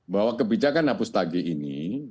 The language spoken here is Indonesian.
bahwa kebijakan hapus tagih ini